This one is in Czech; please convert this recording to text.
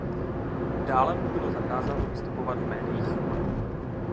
Dále mu bylo zakázáno vystupovat v médiích.